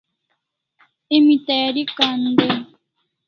Emi tayari kan dai e?